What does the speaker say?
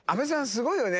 すごいよね